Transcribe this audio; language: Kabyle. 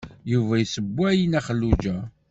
Yuba yessewway i Nna Xelluǧa.